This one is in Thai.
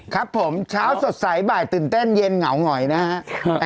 ครับผมเช้าสดใสบ่ายตื่นเต้นเย็นเหงาหงอยนะฮะ